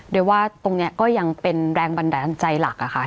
โดยว่าตรงนี้ก็ยังเป็นแรงบันดาลใจหลักค่ะ